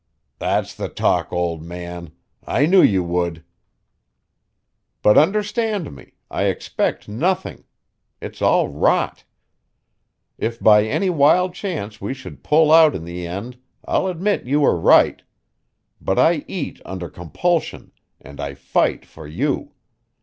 "That's the talk, old man. I knew you would." "But understand me. I expect nothing. It's all rot. If by any wild chance we should pull out in the end I'll admit you were right. But I eat under compulsion, and I fight for you.